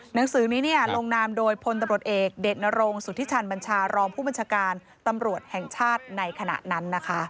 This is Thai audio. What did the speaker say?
หนังสือนี้ลงนามโดยพลตำรวจเอกเดชนรงสุธิชันบัญชารองผู้บัญชาการตำรวจแห่งชาติในขณะนั้นนะคะ